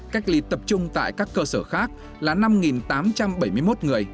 cách ly tập trung tại các cơ sở khác là năm tám trăm bảy mươi một người